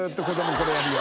これやるよ。